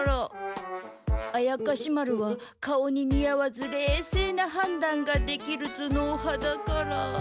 怪士丸は顔に似合わず冷静な判断ができる頭脳派だから。